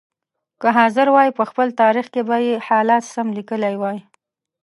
که حاضر وای په خپل تاریخ کې به یې حالات سم لیکلي وای.